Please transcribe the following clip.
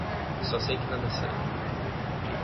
Só sei que nada sei.